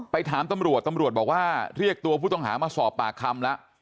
ถามตำรวจตำรวจบอกว่าเรียกตัวผู้ต้องหามาสอบปากคำแล้ว